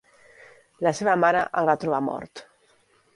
La seva mare el va trobar mort.